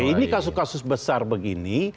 ini kasus kasus besar begini